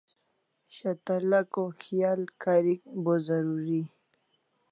shatalako khial karik bo zaruri